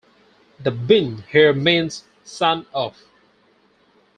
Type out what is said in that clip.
The "bin" here means "son of.